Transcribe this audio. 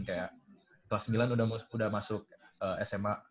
kayak kelas sembilan udah masuk sma